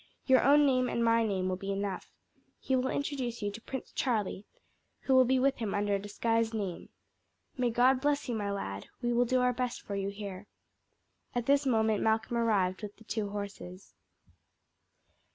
Your own name and my name will be enough. He will introduce you to Prince Charlie, who will be with him under a disguised name. May God bless you, my lad! We will do our best for you here." At this moment Malcolm arrived with the two horses.